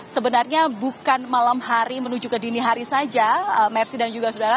sebenarnya bukan malam hari menuju ke dini hari saja mersi dan juga saudara